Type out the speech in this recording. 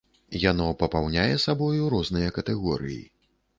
Яно папаўняе сабою розныя катэгорыі.